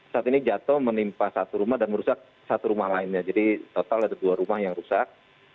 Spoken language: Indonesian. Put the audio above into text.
saat ini jatuh menimpa satu rumah dan merusak satu rumah lainnya jadi total ada dua rumah yang rusak